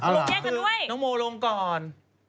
ลงย่างกันด้วยอ๋อเหรอคือน้องโมลงก่อน